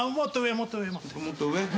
もっと上。